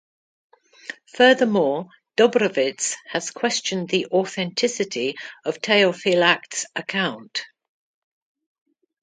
Furthermore, Dobrovits has questioned the authenticity of Theophylact's account.